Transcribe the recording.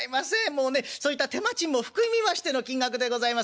もうねそういった手間賃も含みましての金額でございます。